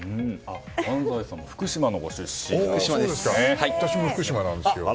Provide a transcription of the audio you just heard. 安齋さんも福島のご出身なんですね。